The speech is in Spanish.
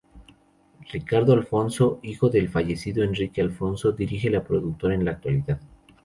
Ricardo Alfonso, hijo del fallecido Enrique Alfonso, dirige la productora en la actualidad.